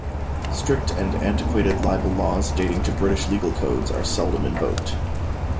Strict and antiquated libel laws dating to British legal codes are seldom invoked.